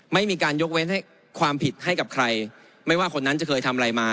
ไม่มีการยกเว้นให้ความผิดให้กับใครไม่ว่าคนนั้นจะเคยทำอะไรมา